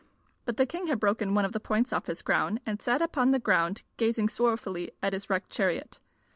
But the king had broken one of the points off his crown, and sat upon the ground gazing sorrowfully at his wrecked chariot.